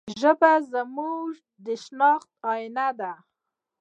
ژبه زموږ د شناخت آینه ده.